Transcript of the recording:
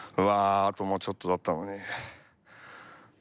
あともうちょっとだったのに。